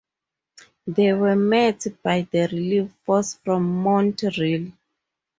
They were met by the relief force from Montreal.